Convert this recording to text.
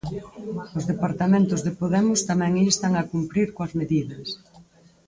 Os departamentos de Podemos tamén instan a cumprir coas medidas.